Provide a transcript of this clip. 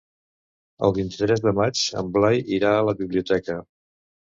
El vint-i-tres de maig en Blai irà a la biblioteca.